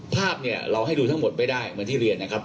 ภาพเนี่ยเราให้ดูทั้งหมดไม่ได้เหมือนที่เรียนนะครับ